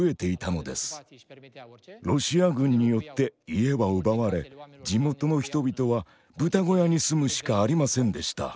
ロシア軍によって家は奪われ地元の人々は豚小屋に住むしかありませんでした。